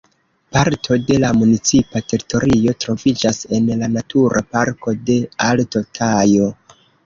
Parto de la municipa teritorio troviĝas en la Natura Parko de Alto Tajo.